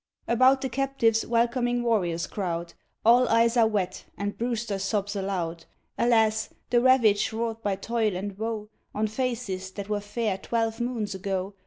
About the captives welcoming warriors crowd, All eyes are wet, and Brewster sobs aloud. Alas, the ravage wrought by toil and woe On faces that were fair twelve moons ago.